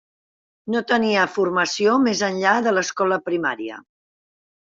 No tenia formació més enllà de l'escola primària.